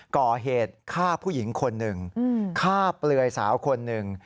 ก่อเหตุฆ่าผู้หญิงคนหนึ่งฆ่าเปลือยสาวคนหนึ่ง